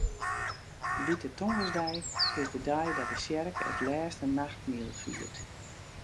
Wite Tongersdei is de dei dat de tsjerke it Lêste Nachtmiel fiert.